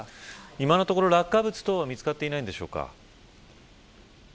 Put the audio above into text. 今のところ、落下物等は見つかっていないんでしょうか。